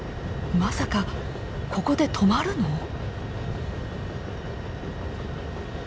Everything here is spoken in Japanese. まさかここで止まるの？